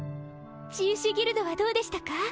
治癒士ギルドはどうでしたか？